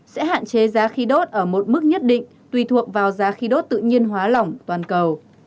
sẽ hạn chế giá khí đốt ở một mức nhất định tùy thuộc vào giá khí đốt tự nhiên hóa lỏng toàn cầu